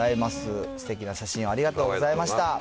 すてきな写真、ありがとうございました。